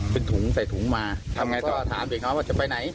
เป็นถุงใส่ถุงมาทำไงก็ถามเด็กเขาว่าจะไปไหน